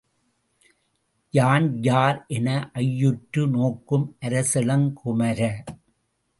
யான் யார் என ஐயுற்று நோக்கும் அரசிளங்குமர!